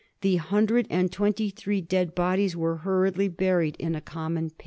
The hundred and twenty three dead bodies were hurriedly buried in a conmion pit.